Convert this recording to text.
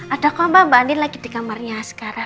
ada kok mbak mbak andi lagi di kamarnya sekarang